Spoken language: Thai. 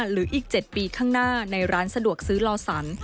หรืออีก๗ปีข้างหน้าในร้านสะดวกซื้อลอสัน